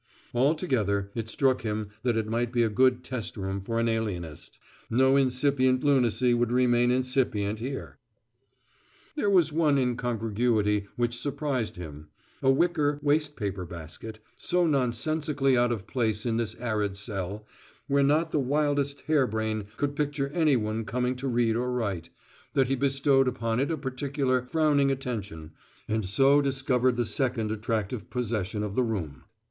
Altogether, it struck him that it might be a good test room for an alienist: no incipient lunacy would remain incipient here. There was one incongruity which surprised him a wicker waste paper basket, so nonsensically out of place in this arid cell, where not the wildest hare brain could picture any one coming to read or write, that he bestowed upon it a particular, frowning attention, and so discovered the second attractive possession of the room.